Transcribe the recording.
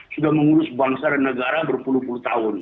sudah mengurus bangsa dan negara berpuluh puluh tahun